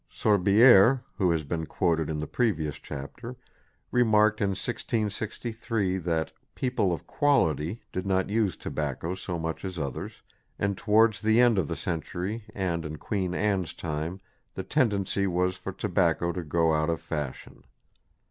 Sorbière, who has been quoted in the previous chapter, remarked in 1663 that "People of Quality" did not use tobacco so much as others; and towards the end of the century and in Queen Anne's time the tendency was for tobacco to go out of fashion.